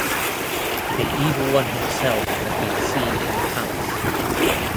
The Evil One himself has been seen in the palace.